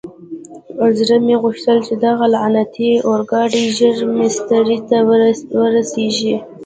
زړه مې غوښتل چې دغه لعنتي اورګاډی ژر مېسترې ته ورسېږي.